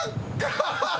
ハハハハ！